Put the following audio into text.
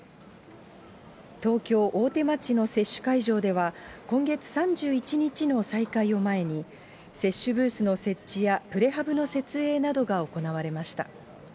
東京・大手町の接種会場では、今月３１日の再開を前に、接種ブースの設置や、プレハブの設営などが行われました。